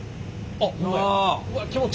あっ。